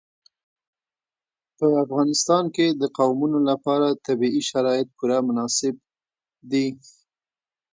په افغانستان کې د قومونه لپاره طبیعي شرایط پوره مناسب دي.